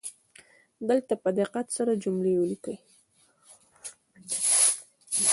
دلته په دقت سره جملې ولیکئ